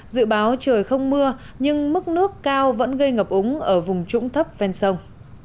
dự báo trời không mưa nhưng mức nước cao vẫn gây ngập úng ở vùng trũng thấp ven sông